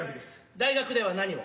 大学では何を？